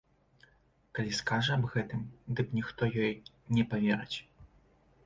Калі скажа аб гэтым, дык ніхто ёй не паверыць.